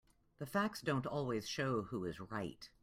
The facts don't always show who is right.